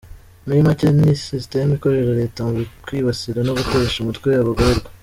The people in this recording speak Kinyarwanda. Muri make ni system ikorera Leta mu kwibasira no gutesha umutwe abagororwa.